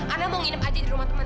ana mau nginep aja di rumah temen